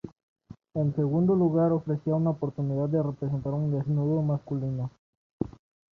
En segundo lugar, ofrecía una oportunidad de representar un desnudo masculino.